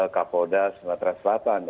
kapolda sumatera selatan